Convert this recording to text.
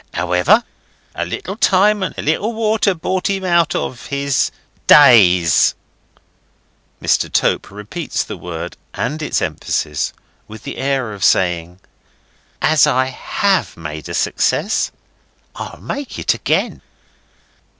However, a little time and a little water brought him out of his DAZE." Mr. Tope repeats the word and its emphasis, with the air of saying: "As I have made a success, I'll make it again."